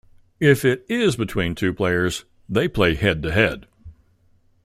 If it is between two players, they play head-to-head.